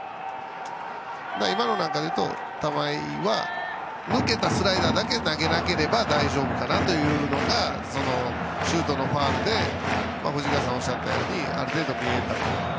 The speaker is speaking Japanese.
今のなんかで言うと玉井は抜けたスライダーだけ投げなければ大丈夫かなというのがシュートのファウルで藤川さんがおっしゃったようにある程度、あったと。